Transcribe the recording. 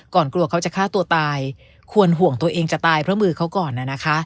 กลัวเขาจะฆ่าตัวตายควรห่วงตัวเองจะตายเพราะมือเขาก่อนนะคะ